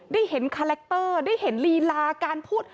ได้เห็นคาแรคเตอร์ได้เห็นลีลาการพูด